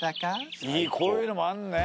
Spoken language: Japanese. こういうのもあるのね